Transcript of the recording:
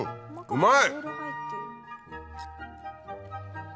うまい。